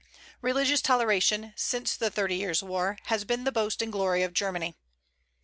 Religious toleration, since the Thirty Years' War, has been the boast and glory of Germany.